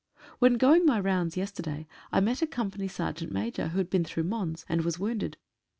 When going my rounds yesterday I met a company sergeant major who had been through Mons, and was wounded.